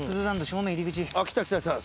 あっ来た来た来た。